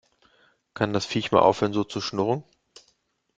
Kann das Viech mal aufhören so zu schnurren?